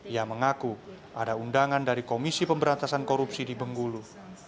ia mengaku ada undangan dari komisi pemberantasan korupsi di bengkulu